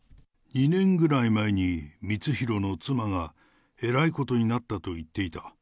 ２年ぐらい前に光弘の妻が、えらいことになったと言っていた。